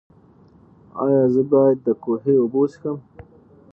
ایا زه باید د کوهي اوبه وڅښم؟